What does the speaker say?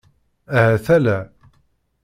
Ahat ala.